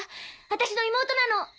私の妹なの。